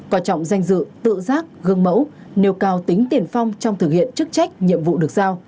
coi trọng danh dự tự giác gương mẫu nêu cao tính tiền phong trong thực hiện chức trách nhiệm vụ được giao